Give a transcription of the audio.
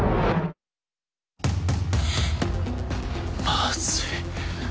まずい。